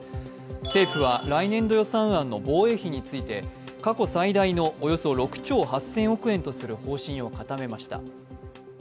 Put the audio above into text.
政府は来年度予算案の防衛費について、過去最大のおよそ６兆８０００億円とする方針を固めました。